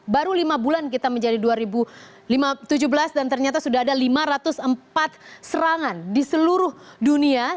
baru lima bulan kita menjadi dua ribu tujuh belas dan ternyata sudah ada lima ratus empat serangan di seluruh dunia